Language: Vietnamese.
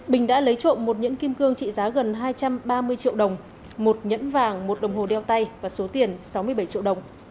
bình đã lấy trộm một nhẫn kim cương trị giá gần hai trăm ba mươi triệu đồng một nhẫn vàng một đồng hồ đeo tay và số tiền sáu mươi bảy triệu đồng